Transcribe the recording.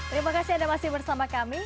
terima kasih anda masih bersama kami